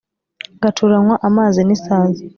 ngacuranywa amazi n'isazi